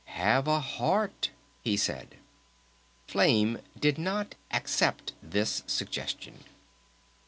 "Have a heart!" he said. Flame did not accept this suggestion.